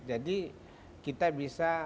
jadi kita bisa